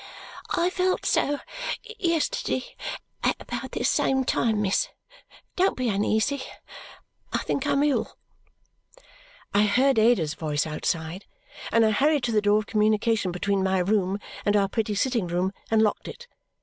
I felt so yesterday at about this same time, miss. Don't be uneasy, I think I'm ill." I heard Ada's voice outside, and I hurried to the door of communication between my room and our pretty sitting room, and locked it.